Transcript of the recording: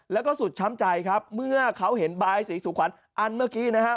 แล้วก็สุดช้ำใจครับเมื่อเขาเห็นบายสีสู่ขวัญอันเมื่อกี้นะฮะ